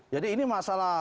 jadi ini masalah